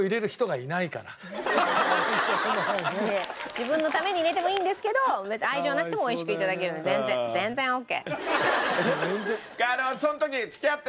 自分のために入れてもいいんですけど別に愛情なくても美味しく頂けるので全然全然オッケー。